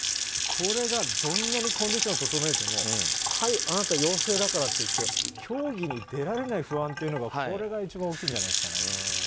これが、どんなにコンディションを整えてもはい、あなた陽性だからっていって競技に出られない不安が一番大きいんじゃないですかね。